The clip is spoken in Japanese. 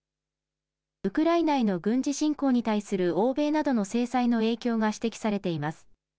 ウクライナへの軍事侵攻に対する欧米などの制裁の影響が指摘されています。